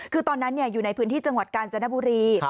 คือตอนนั้นอยู่ในพื้นที่จังหวัดกาญจนบุรี